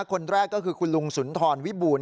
คนแรกก็คือคุณลุงสุนทรวิบูรณ